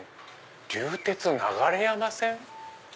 流鉄流山線⁉